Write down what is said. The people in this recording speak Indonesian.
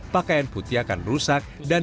pakaian putih akan rusak dan